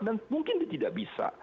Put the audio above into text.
mungkin dia tidak bisa